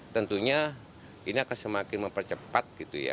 tentunya ini akan semakin mempercepat